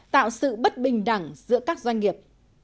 tạo sự bất bình đẳng giữa các doanh nghiệp